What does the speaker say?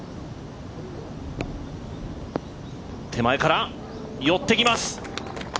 手前から寄ってきます。